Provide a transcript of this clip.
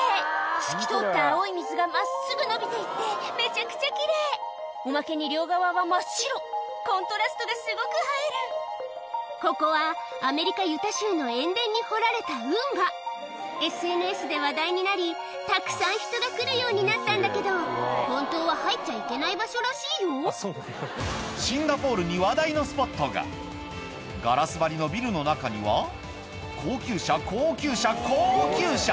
透き通った青い水が真っすぐ延びていてめちゃくちゃ奇麗おまけに両側は真っ白コントラストがすごく映えるここはアメリカユタ州の塩田に掘られた運河ＳＮＳで話題になりたくさん人が来るようになったんだけど本当は入っちゃいけない場所らしいよシンガポールに話題のスポットがガラス張りのビルの中には高級車高級車高級車！